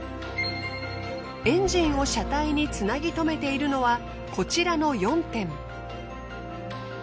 エンジンを車体につなぎとめているのはこちらの４点。